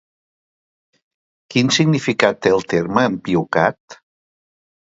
Quin significat té el terme empiocat?